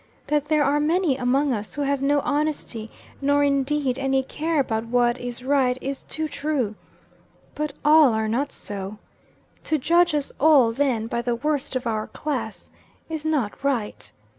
That there are many among us who have no honesty, nor, indeed, any care about what is right, is too true. But all are not so. To judge us all, then, by the worst of our class, is not right.